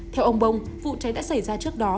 theo ông bông vụ cháy đã xảy ra trước đó